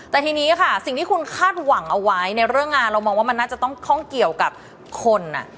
แต่ทีนี้ค่ะสิ่งที่คุณคาดหวังเอาไว้ในเรื่องงานเรามองว่ามันน่าจะต้องข้องเกี่ยวกับคน